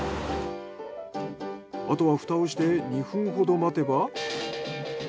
あとはふたをして２分ほど待てば。